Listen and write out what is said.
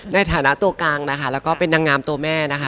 ในฐานะตัวกลางนะคะแล้วก็เป็นนางงามตัวแม่นะคะ